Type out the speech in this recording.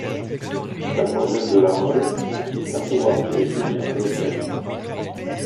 Mademoiselle de La Mole insista pour ramener Julien à l'hôtel.